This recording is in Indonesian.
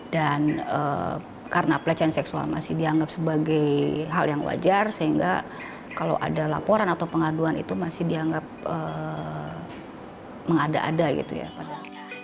dan karena pelecehan seksual masih dianggap sebagai hal yang wajar sehingga kalau ada laporan atau pengaduan itu masih dianggap mengada ada gitu ya